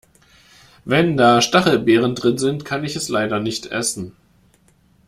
Wenn da Stachelbeeren drin sind, kann ich es leider nicht essen.